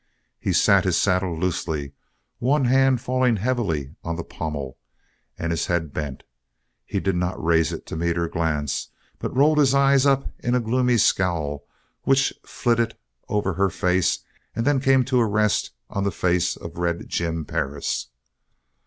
He sat his saddle loosely, one hand falling heavily on the pommel, and his head bent. He did not raise it to meet her glance, but rolled his eyes up in a gloomy scowl which flitted over her face and then came to a rest on the face of Red Jim Perris.